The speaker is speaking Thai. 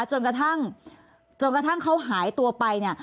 จนกระทั่งจนกระทั่งเขาหายตัวไปเนี่ย